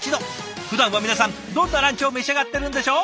ふだんは皆さんどんなランチを召し上がってるんでしょう？